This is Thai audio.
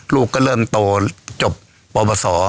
ลูกก็เริ่มโตจบปปศ